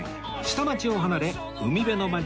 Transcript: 下町を離れ海辺の町